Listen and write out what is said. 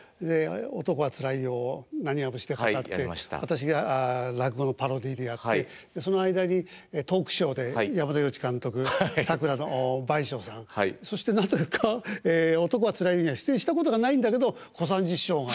「男はつらいよ」を浪花節で語って私が落語のパロディーでやってその間にトークショーで山田洋次監督さくらの倍賞さんそしてなぜか「男はつらいよ」には出演したことがないんだけど小三治師匠が。